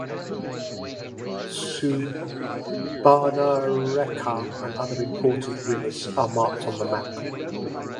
Subarnarekha and other important rivers are marked on the map.